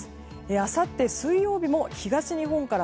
あさって水曜日も東日本から